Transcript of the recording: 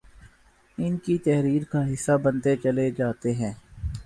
ان کی تحریر کا حصہ بنتے چلے جاتے ہیں